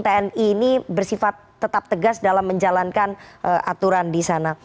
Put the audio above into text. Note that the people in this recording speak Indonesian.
tni ini bersifat tetap tegas dalam menjalankan aturan di sana